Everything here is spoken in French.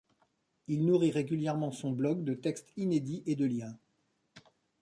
Il nourrit régulièrement son blog de textes inédits et de liens.